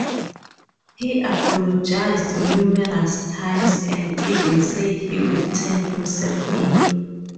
He apologized numerous times, and even said he would turn himself in.